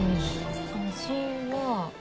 味は。